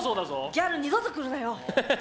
ギャル二度と来るなよ。